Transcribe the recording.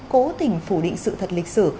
cố tình phủ định sự thật lịch sử